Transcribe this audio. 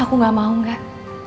aku gak mau gak